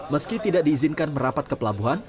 meski tidak diizinkan merapat ke pelabuhan